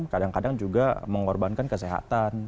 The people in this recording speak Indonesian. kadang kadang juga mengorbankan kesehatan